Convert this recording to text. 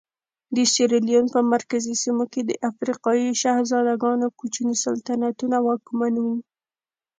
د سیریلیون په مرکزي سیمو کې د افریقایي شهزادګانو کوچني سلطنتونه واکمن وو.